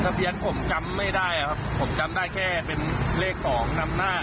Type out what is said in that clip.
เบียนผมจำไม่ได้ครับผมจำได้แค่เป็นเลขสองนำหน้า